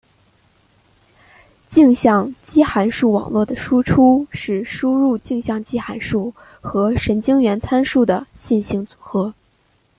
径向基函数网络的输出是输入的径向基函数和神经元参数的线性组合。